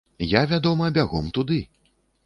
Я, вядома, бягом туды.